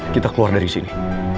kita keluar dari sini